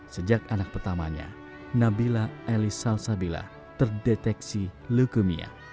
sejak anak pertamanya nabila elisalsabila terdeteksi leukemia